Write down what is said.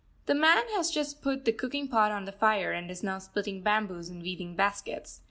The man has just put the cooking pot on the fire, and is now splitting bamboos and weaving baskets.